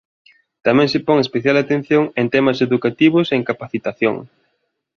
Tamén se pon especial atención en temas educativos e en capacitación.